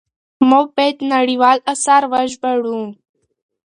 موږ بايد نړيوال آثار وژباړو.